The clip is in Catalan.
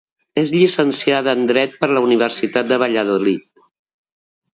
És llicenciada en dret per la Universitat de Valladolid.